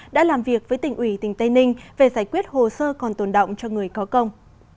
đã làm việc với tỉnh ủy tỉnh tây ninh về giải quyết hồ sơ còn tồn động cho người có công